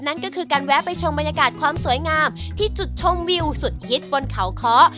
นั่นก็คือการแวะไปชมบรรยากาศความสวยงามที่จุดชมวิวสุดฮิตบนเขาค้อ